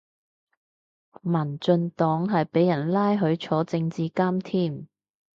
民進黨係俾人拉去坐政治監添